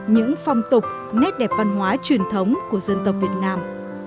những phong tục nét đẹp văn hóa truyền thống của dân tộc việt nam